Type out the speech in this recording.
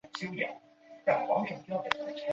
鳞轴短肠蕨为蹄盖蕨科短肠蕨属下的一个种。